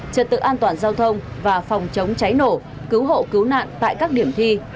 trật tự an toàn giao thông và phòng chống cháy nổ cứu hộ cứu nạn tại các điểm thi